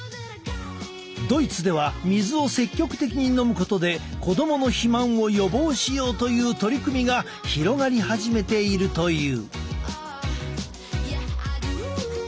ドイツでは水を積極的に飲むことで子供の肥満を予防しようという取り組みが広がり始めているという。